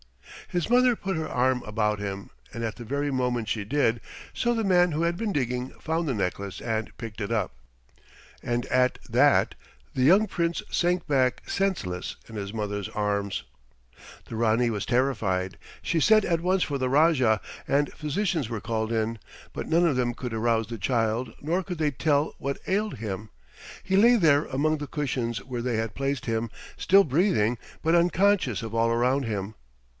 His mother put her arm about him, and at the very moment she did so the man who had been digging found the necklace and picked it up, and at that the young Prince sank back senseless in his mother's arms. The Ranee was terrified. She sent at once for the Rajah, and physicians were called in, but none of them could arouse the child nor could they tell what ailed him. He lay there among the cushions where they had placed him still breathing, but unconscious of all around him.